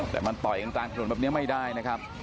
แต่มันต่อยกันกลางถนนแบบนี้ไม่ได้นะครับ